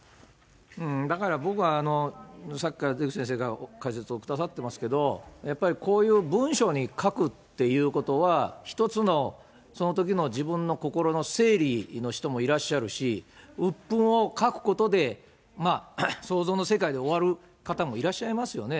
だから僕は、さっきから出口先生が解説してくださってますけれども、やっぱりこういう文章に書くっていうことは、一つのそのときの自分の心の整理の人もいらっしゃるし、うっぷんを書くことでまあ、想像の世界で終わる方もいらっしゃいますよね。